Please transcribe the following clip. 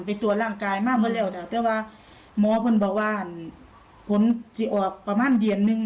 ไปตัวร่างกายมากเวลาจ้ะแต่ว่าหมอเพิ่งบอกว่าผลจะออกประมาณเดียนนึง